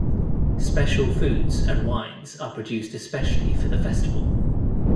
Special foods and wines are produced especially for the festival.